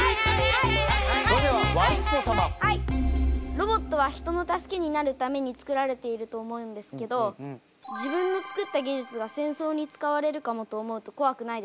ロボットは人の助けになるために作られていると思うんですけど自分の作った技術が戦争に使われるかもと思うとこわくないですか？